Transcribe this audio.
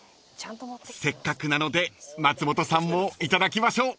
［せっかくなので松本さんも頂きましょう］